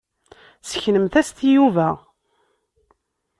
Seknemt-as-t i Yuba.